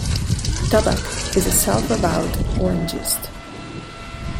Tobback is a self-avowed orangist.